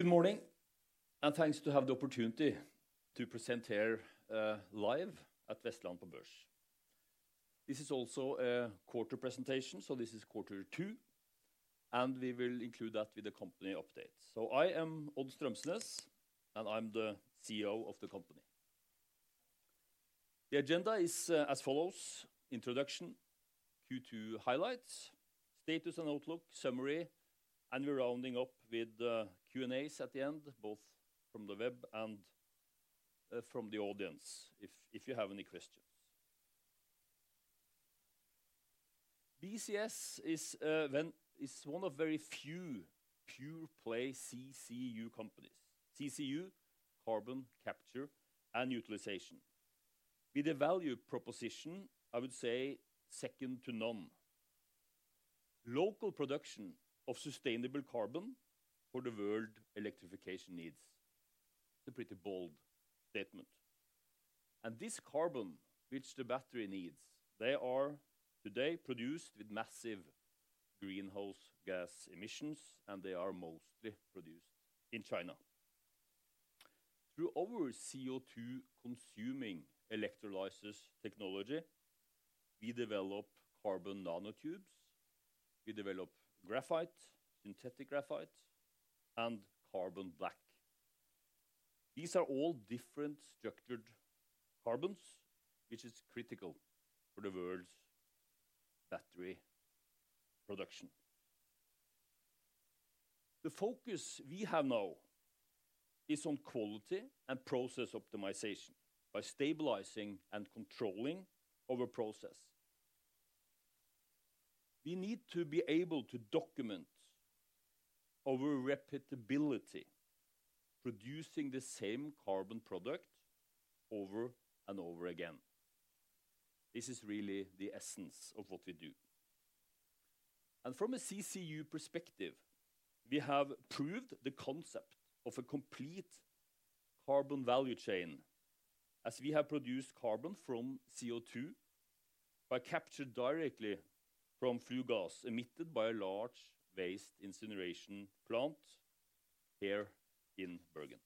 Good morning, and thanks to have the opportunity to present here, live at Vestland på Børs. This is also a quarter presentation, so this is quarter two, and we will include that with the company update. So I am Odd Strømsnes, and I'm the CEO of the company. The agenda is, as follows: Introduction, Q2 highlights, status and outlook, summary, and we're rounding up with, Q&A at the end, both from the web and, from the audience if you have any questions. BCS is, then, one of very few pure play CCU companies. CCU, carbon capture and utilization. With a value proposition, I would say, second to none. Local production of sustainable carbon for the world electrification needs. It's a pretty bold statement. This carbon, which the battery needs, they are today produced with massive greenhouse gas emissions, and they are mostly produced in China. Through our CO2-consuming electrolysis technology, we develop carbon nanotubes, we develop graphite, synthetic graphite, and carbon black. These are all different structured carbons, which is critical for the world's battery production. The focus we have now is on quality and process optimization by stabilizing and controlling our process. We need to be able to document our repeatability, producing the same carbon product over and over again. This is really the essence of what we do From a CCU perspective, we have proved the concept of a complete carbon value chain, as we have produced carbon from CO2 captured directly from flue gas emitted by a large waste incineration plant here in Bergen.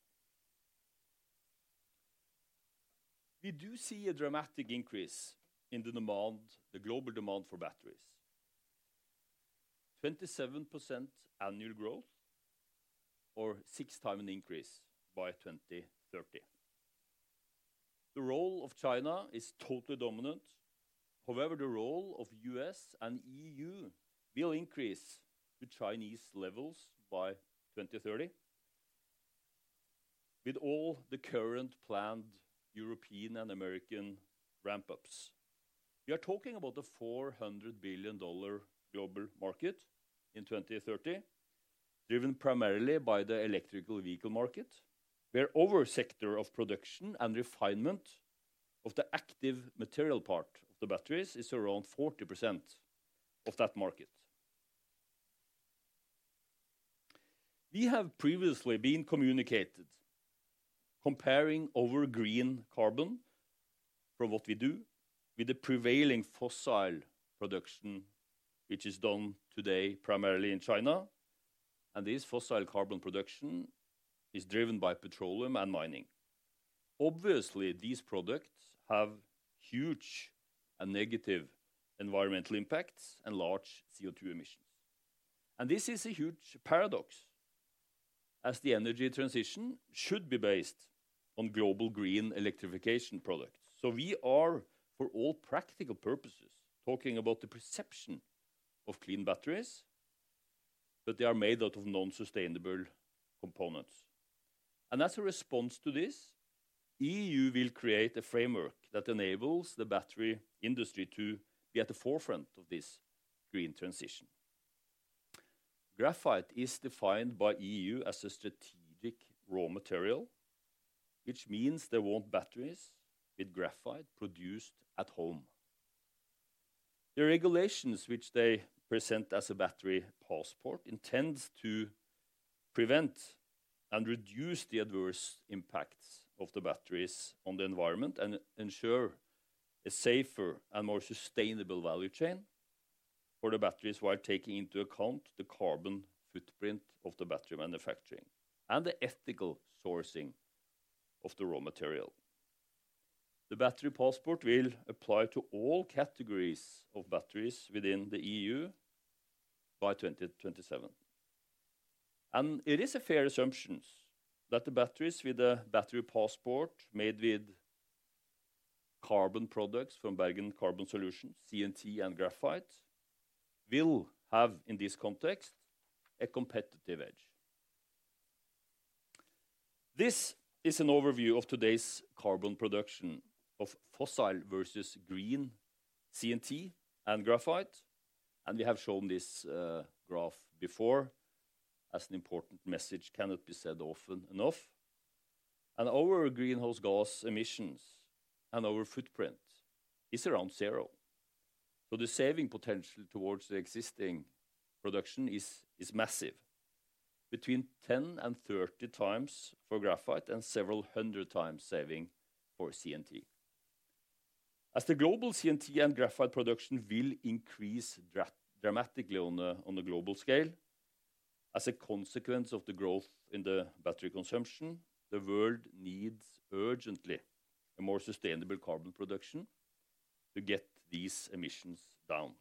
We do see a dramatic increase in the demand, the global demand for batteries. 27% annual growth, or six times increase by 2030. The role of China is totally dominant. However, the role of U.S. and EU will increase to Chinese levels by 2030, with all the current planned European and American ramp-ups. We are talking about a $400 billion global market in 2030, driven primarily by the electric vehicle market, where our sector of production and refinement of the active material part of the batteries is around 40% of that market. We have previously communicated, comparing our green carbon from what we do with the prevailing fossil production, which is done today primarily in China, and this fossil carbon production is driven by petroleum and mining. Obviously, these products have huge and negative environmental impacts and large CO2 emissions. This is a huge paradox, as the energy transition should be based on global green electrification products. We are, for all practical purposes, talking about the perception of clean batteries, but they are made out of non-sustainable components. As a response to this, EU will create a framework that enables the battery industry to be at the forefront of this green transition. Graphite is defined by EU as a strategic raw material, which means they want batteries with graphite produced at home. The regulations, which they present as a battery passport, intends to prevent and reduce the adverse impacts of the batteries on the environment and ensure a safer and more sustainable value chain for the batteries, while taking into account the carbon footprint of the battery manufacturing and the ethical sourcing of the raw material. The battery passport will apply to all categories of batteries within the EU by 2027. It is a fair assumption that the batteries with a battery passport made with carbon products from Bergen Carbon Solutions, CNT and graphite, will have, in this context, a competitive edge. This is an overview of today's carbon production of fossil versus green CNT and graphite, and we have shown this graph before as an important message, cannot be said often enough. Our greenhouse gas emissions and our footprint is around zero. The saving potential towards the existing production is massive, between 10 and 30 times for graphite and several hundred times saving for CNT. As the global CNT and graphite production will increase dramatically on a global scale, as a consequence of the growth in the battery consumption, the world needs urgently a more sustainable carbon production to get these emissions down.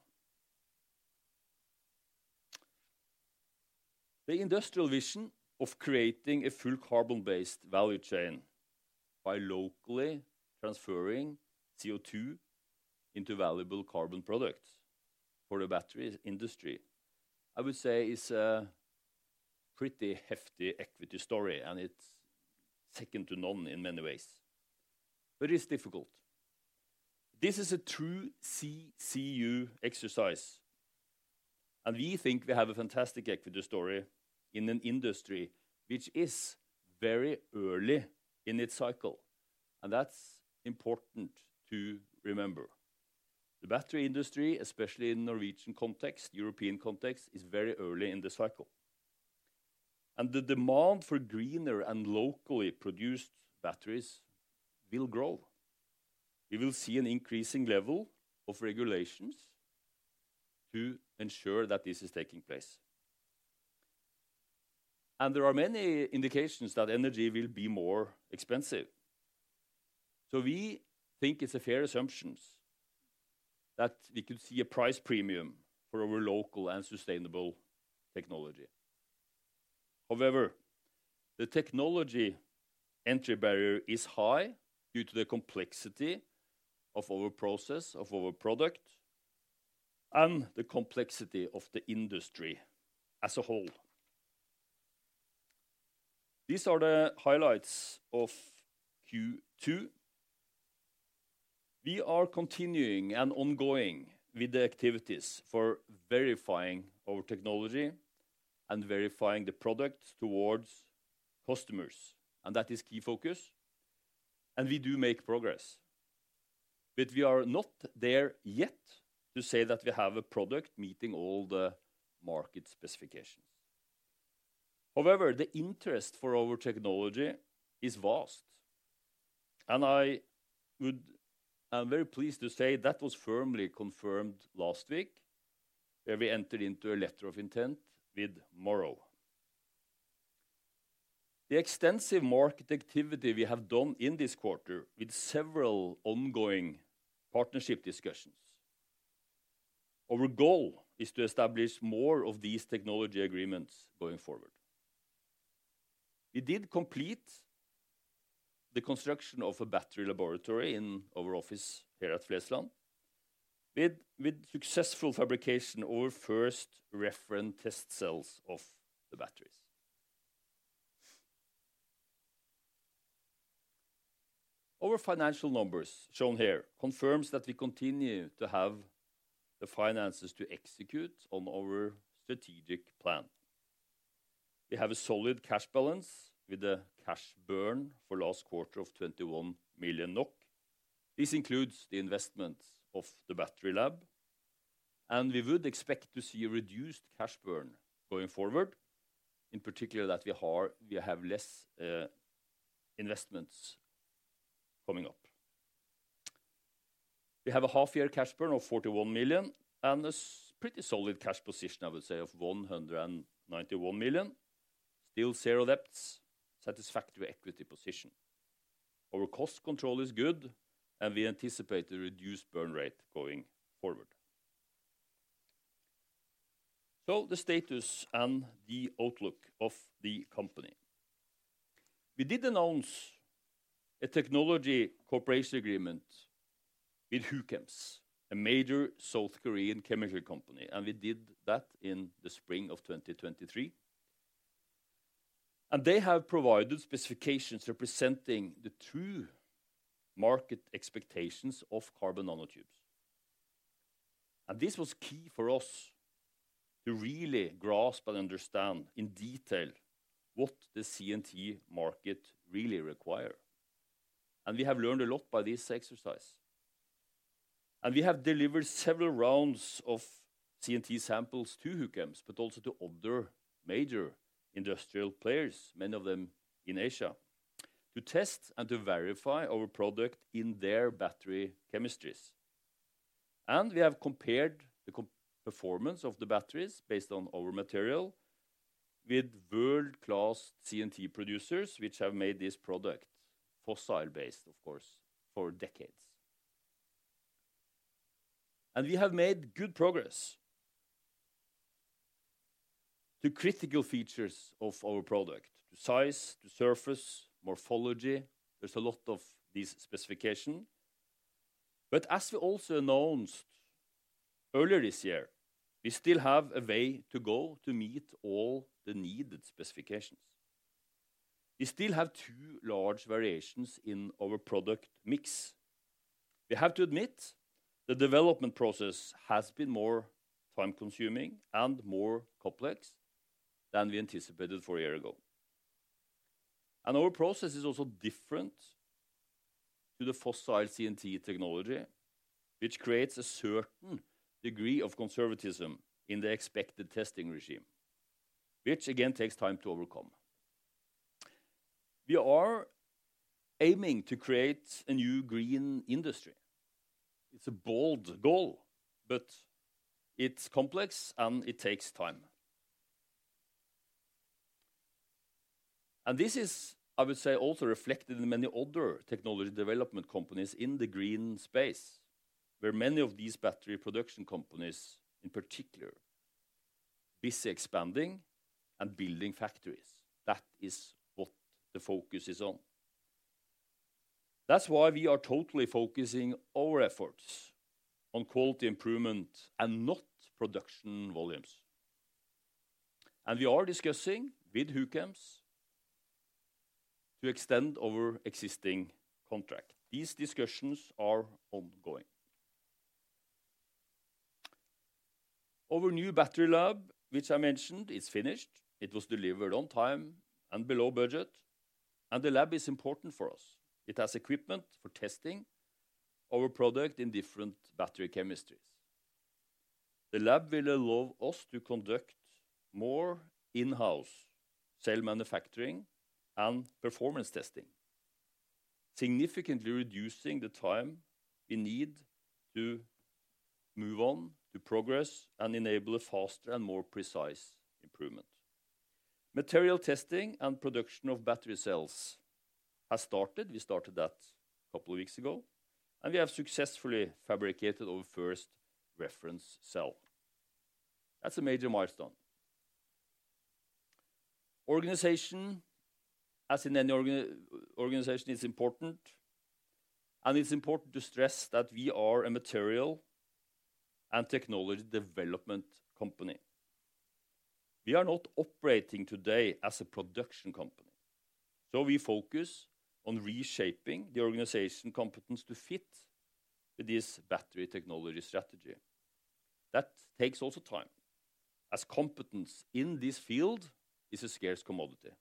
The industrial vision of creating a full carbon-based value chain by locally transferring CO2 into valuable carbon products for the battery industry, I would say, is a pretty hefty equity story, and it's second to none in many ways, but it's difficult. This is a true CCU exercise, and we think we have a fantastic equity story in an industry which is very early in its cycle, and that's important to remember. The battery industry, especially in Norwegian context, European context, is very early in the cycle. The demand for greener and locally produced batteries will grow. We will see an increasing level of regulations to ensure that this is taking place. There are many indications that energy will be more expensive. We think it's a fair assumption that we could see a price premium for our local and sustainable technology. However, the technology entry barrier is high due to the complexity of our process, of our product, and the complexity of the industry as a whole. These are the highlights of Q2. We are continuing and ongoing with the activities for verifying our technology and verifying the product towards customers, and that is key focus, and we do make progress. We are not there yet to say that we have a product meeting all the market specifications. However, the interest for our technology is vast, and I'm very pleased to say that was firmly confirmed last week, where we entered into a letter of intent with Morrow. The extensive market activity we have done in this quarter, with several ongoing partnership discussions. Our goal is to establish more of these technology agreements going forward. We did complete the construction of a battery laboratory in our office here at Flesland. With successful fabrication, our first reference test cells of the batteries. Our financial numbers, shown here, confirms that we continue to have the finances to execute on our strategic plan. We have a solid cash balance with a cash burn for last quarter of 21 million NOK. This includes the investments of the battery lab, and we would expect to see a reduced cash burn going forward. In particular, that we have, we have less investments coming up. We have a half-year cash burn of 41 million, and a pretty solid cash position, I would say, of 191 million. Still 0 debts, satisfactory equity position. Our cost control is good, and we anticipate a reduced burn rate going forward. So the status and the outlook of the company. We did announce a technology cooperation agreement with Huchems, a major South Korean chemical company, and we did that in the spring of 2023. And they have provided specifications representing the true market expectations of carbon nanotubes. And this was key for us to really grasp and understand in detail what the CNT market really require. And we have learned a lot by this exercise. We have delivered several rounds of CNT samples to Huchems, but also to other major industrial players, many of them in Asia, to test and to verify our product in their battery chemistries. We have compared the comparative performance of the batteries, based on our material, with world-class CNT producers, which have made this product, fossil-based, of course, for decades. We have made good progress. The critical features of our product, the size, the surface, morphology, there's a lot of these specifications. As we also announced earlier this year, we still have a way to go to meet all the needed specifications. We still have too large variations in our product mix. We have to admit, the development process has been more time-consuming and more complex than we anticipated four years ago. And our process is also different to the fossil CNT technology, which creates a certain degree of conservatism in the expected testing regime, which again takes time to overcome. We are aiming to create a new green industry. It's a bold goal, but it's complex, and it takes time. And this is, I would say, also reflected in many other technology development companies in the green space, where many of these battery production companies, in particular, busy expanding and building factories. That is what the focus is on. That's why we are totally focusing our efforts on quality improvement and not production volumes. And we are discussing with Huchems to extend our existing contract. These discussions are ongoing. Our new battery lab, which I mentioned, is finished. It was delivered on time and below budget, and the lab is important for us. It has equipment for testing our product in different battery chemistries. The lab will allow us to conduct more in-house cell manufacturing and performance testing, significantly reducing the time we need to move on, to progress, and enable a faster and more precise improvement. Material testing and production of battery cells has started. We started that a couple of weeks ago, and we have successfully fabricated our first reference cell. That's a major milestone. Organization, as in any organization, is important, and it's important to stress that we are a material and technology development company. We are not operating today as a production company, so we focus on reshaping the organization competence to fit with this battery technology strategy. That takes also time, as competence in this field is a scarce commodity,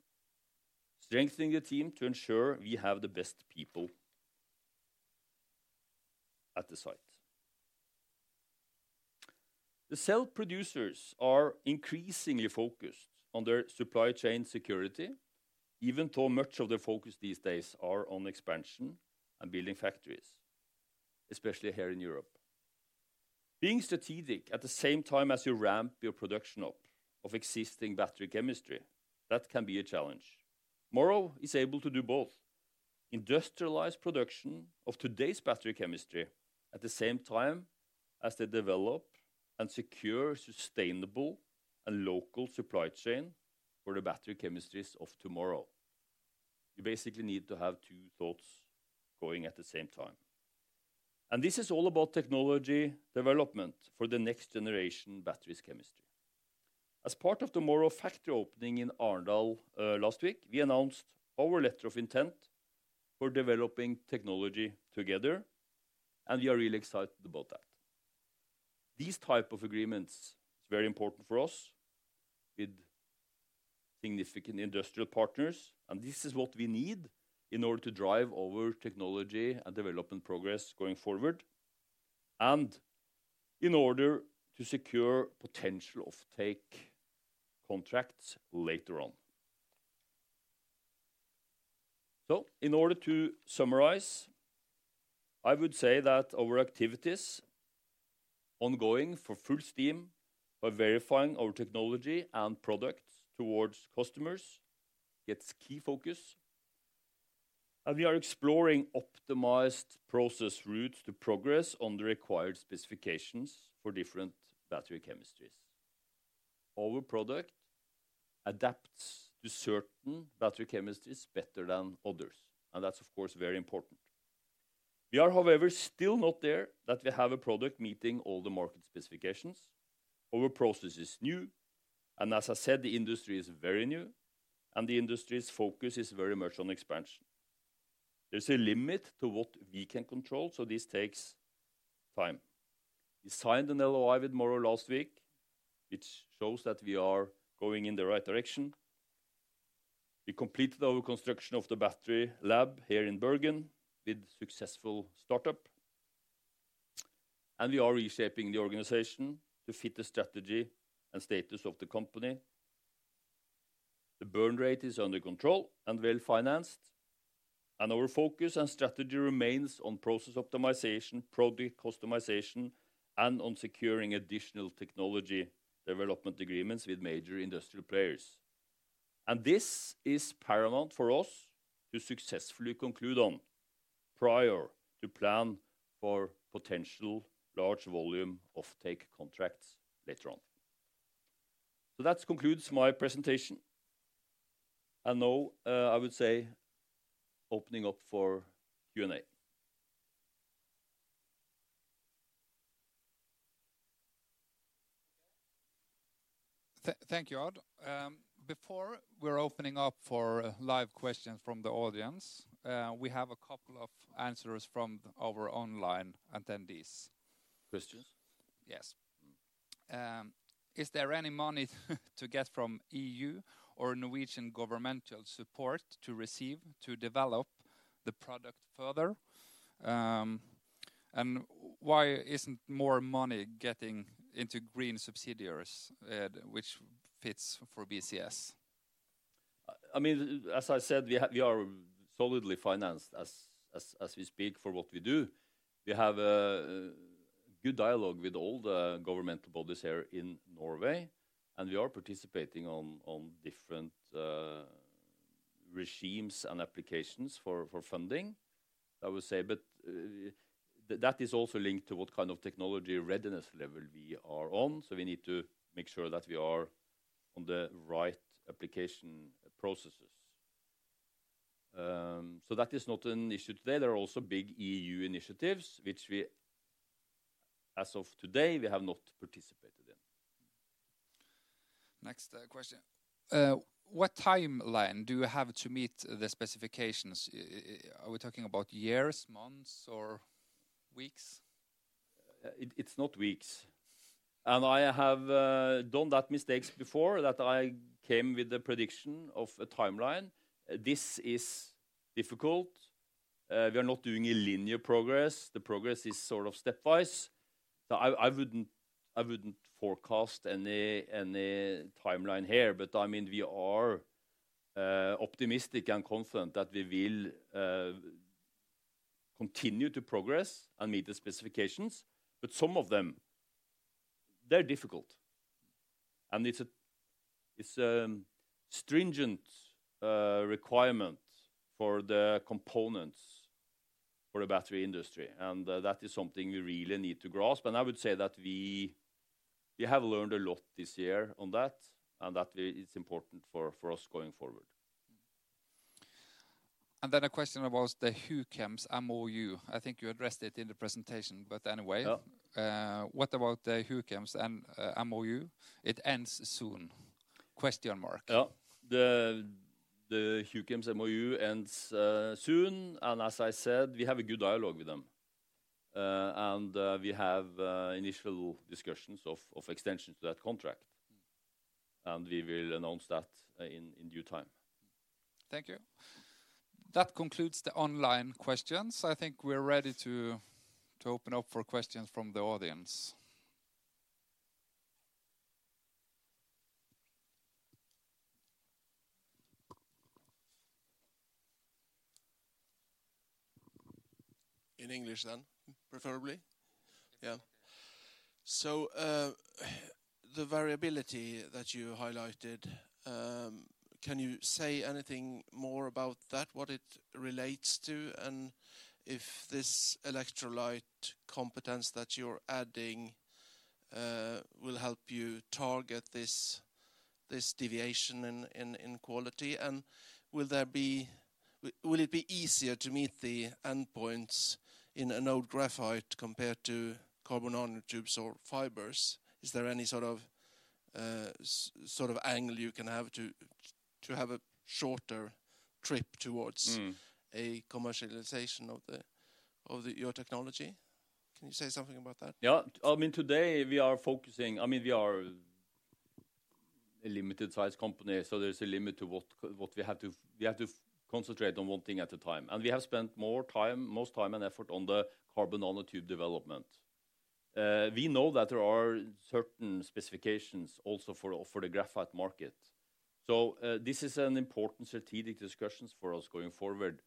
strengthening the team to ensure we have the best people at the site. The cell producers are increasingly focused on their supply chain security, even though much of the focus these days are on expansion and building factories, especially here in Europe. Being strategic at the same time as you ramp your production up of existing battery chemistry, that can be a challenge. Morrow is able to do both, industrialize production of today's battery chemistry, at the same time as they develop and secure sustainable and local supply chain for the battery chemistries of tomorrow. You basically need to have two thoughts going at the same time, and this is all about technology development for the next generation batteries chemistry. As part of the Morrow factory opening in Arendal last week, we announced our letter of intent for developing technology together, and we are really excited about that. These type of agreements is very important for us with significant industrial partners, and this is what we need in order to drive our technology and development progress going forward and in order to secure potential offtake contracts later on. So in order to summarize, I would say that our activities ongoing for full steam by verifying our technology and products towards customers, it's key focus. And we are exploring optimized process routes to progress on the required specifications for different battery chemistries. Our product adapts to certain battery chemistries better than others, and that's, of course, very important. We are, however, still not there, that we have a product meeting all the market specifications. Our process is new, and as I said, the industry is very new, and the industry's focus is very much on expansion. There's a limit to what we can control, so this takes time. We signed an LOI with Morrow last week, which shows that we are going in the right direction. We completed our construction of the battery lab here in Bergen with successful startup, and we are reshaping the organization to fit the strategy and status of the company. The burn rate is under control and well-financed, and our focus and strategy remains on process optimization, product customization, and on securing additional technology development agreements with major industrial players. And this is paramount for us to successfully conclude on, prior to plan for potential large volume offtake contracts later on. So that concludes my presentation, and now, I would say opening up for Q&A. Thank you, Odd. Before we're opening up for live questions from the audience, we have a couple of answers from our online attendees. Questions? Yes. Mm. Is there any money to get from EU or Norwegian governmental support to receive to develop the product further?... And why isn't more money getting into green subsidies, which fits for BCS? I mean, as I said, we are solidly financed as we speak, for what we do. We have a good dialogue with all the government bodies here in Norway, and we are participating on different regimes and applications for funding, I would say, but that is also linked to what kind of Technology Readiness Level we are on, so we need to make sure that we are on the right application processes, so that is not an issue today. There are also big EU initiatives, which we, as of today, have not participated in. Next question. What timeline do you have to meet the specifications? Are we talking about years, months, or weeks? It's not weeks, and I have done those mistakes before, that I came with a prediction of a timeline. This is difficult. We are not doing a linear progress. The progress is sort of stepwise, so I wouldn't forecast any timeline here, but I mean, we are optimistic and confident that we will continue to progress and meet the specifications, but some of them, they're difficult, and it's a stringent requirement for the components for the battery industry, and that is something we really need to grasp, and I would say that we have learned a lot this year on that, and that it is important for us going forward. And then a question about the Huchems MOU. I think you addressed it in the presentation, but anyway. Yeah. What about the Huchems and MOU? It ends soon? Yeah. The Huchems MOU ends soon, and as I said, we have a good dialogue with them. And we have initial discussions of extensions to that contract, and we will announce that in due time. Thank you. That concludes the online questions. I think we're ready to open up for questions from the audience. In English then, preferably. Yeah. So, the variability that you highlighted, can you say anything more about that, what it relates to, and if this electrolyte competence that you're adding, will help you target this deviation in quality? And will it be easier to meet the endpoints in anode graphite compared to carbon nanotubes or fibers? Is there any sort of angle you can have to have a shorter trip towards- Mm... a commercialization of your technology? Can you say something about that? Yeah. I mean, today we are focusing. I mean, we are a limited size company, so there is a limit to what we have to. We have to concentrate on one thing at a time. And we have spent more time, most time and effort on the carbon nanotube development. We know that there are certain specifications also for the graphite market. So, this is an important strategic discussions for us going forward.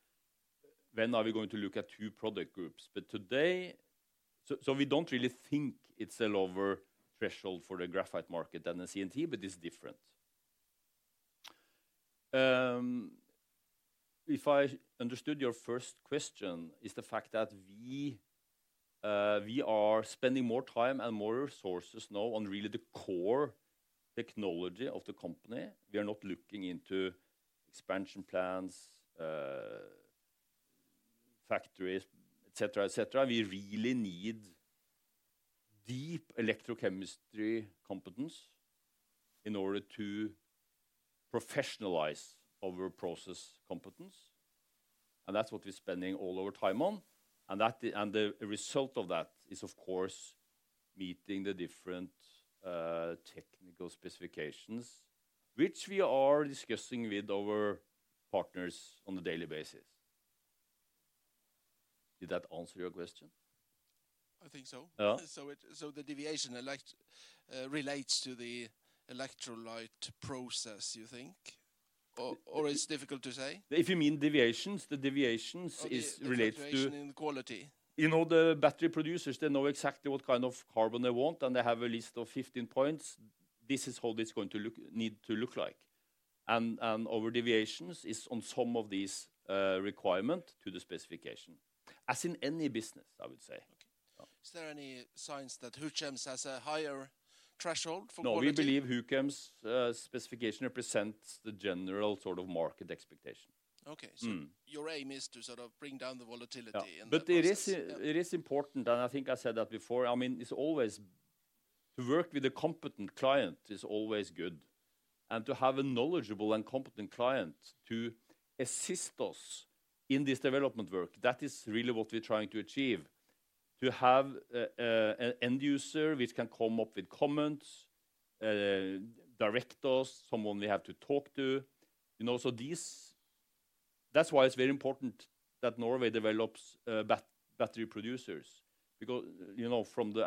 When are we going to look at two product groups? But today. So we don't really think it's a lower threshold for the graphite market than the CNT, but it's different. If I understood your first question, is the fact that we, we are spending more time and more resources now on really the core technology of the company. We are not looking into expansion plans, factories, et cetera, et cetera. We really need deep electrochemistry competence in order to professionalize our process competence, and that's what we're spending all our time on. And that, and the result of that is, of course, meeting the different technical specifications, which we are discussing with our partners on a daily basis. Did that answer your question? I think so. Yeah. The deviation relates to the electrolyte process, you think, or it's difficult to say? If you mean deviations, the deviations is related to- The deviation in quality. You know, the battery producers, they know exactly what kind of carbon they want, and they have a list of 15 points. "This is how it's going to look, need to look like." And our deviations is on some of these, requirement to the specification, as in any business, I would say. Okay. Yeah. Is there any signs that Huchems has a higher threshold for quality? No, we believe Huchems specification represents the general sort of market expectation. Okay. Mm. So your aim is to sort of bring down the volatility and the- Yeah, but it is, it is important, and I think I said that before, I mean, it's always to work with a competent client is always good, and to have a knowledgeable and competent client to assist us in this development work, that is really what we're trying to achieve. To have an end user which can come up with comments, direct us, someone we have to talk to, you know, so these. That's why it's very important that Norway develops battery producers. Because, you know, from the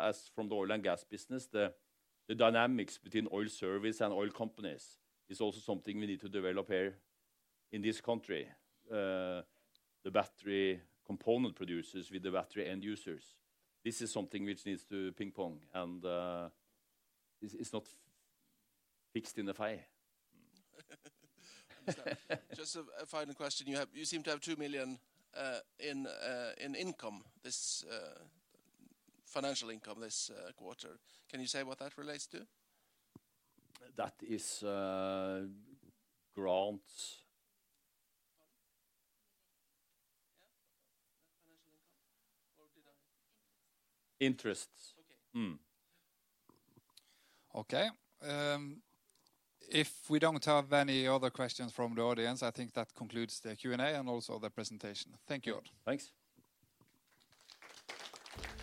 oil and gas business, the dynamics between oil service and oil companies is also something we need to develop here in this country. The battery component producers with the battery end users, this is something which needs to ping-pong, and it's not fixed in the file. Just a final question. You seem to have 2 million in financial income this quarter. Can you say what that relates to? That is, grants. Yeah, financial income, or did I? Interests. Okay. Mm. Okay, if we don't have any other questions from the audience, I think that concludes the Q&A and also the presentation. Thank you all. Thanks.